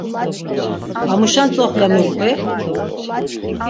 Amuşen tzoxle mu qvi?